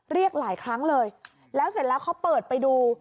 เรียกหลายครั้งเลยแล้วเสร็จแล้วเขาเปิดไปดู